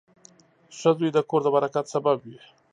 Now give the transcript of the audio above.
• ښه زوی د کور د برکت سبب وي.